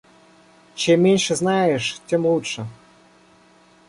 Чем меньше знаешь, тем лучше.